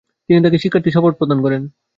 তিনি তাকে শিক্ষার্থীর শপথ প্রদান করেন।